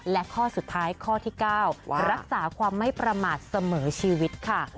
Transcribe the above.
และข้อสุดท้ายข้อที่๙รักษาความไม่ประมาทเสมอชีวิตค่ะ